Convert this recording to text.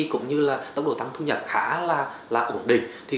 cũng như là tốc độ tăng thu nhập khá là ổn định